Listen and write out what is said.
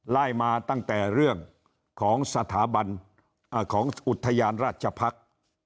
ไล่มาตั้งแต่เรื่องของสถาบันของอุทยานราชพักษ์